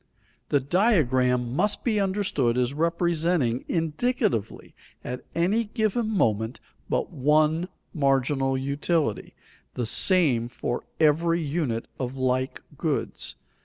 The diagram must be understood as representing indicatively at any given moment but one marginal utility, the same for every unit of like goods.